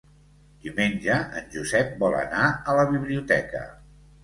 Diumenge en Josep vol anar a la biblioteca.